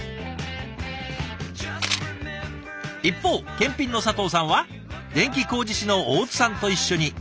一方検品の佐藤さんは電気工事士の大津さんと一緒に。